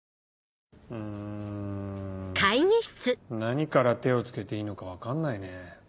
何から手を付けていいのか分かんないね。